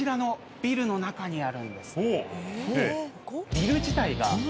ビル自体が。